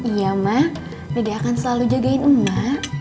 iya ma dede akan selalu jagain emak